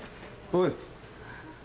おい。